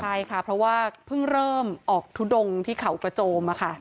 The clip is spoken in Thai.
ใช่ค่ะเพราะว่าเพิ่งเริ่มออกทุดงที่เขากระโจม